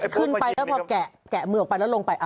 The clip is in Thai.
คืนไปละพอแกะแกะมือออกไปแล้วลงไป